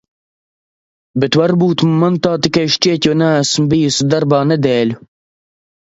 Bet varbūt man tā tikai šķiet, jo neesmu bijusi darbā nedēļu.